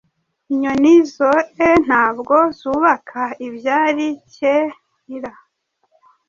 Inyoni zoe ntabwo zubaka ibyarikeira